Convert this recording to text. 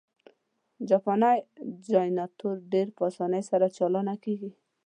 جاپانی جنرټور ډېر په اسانۍ سره چالانه کېږي.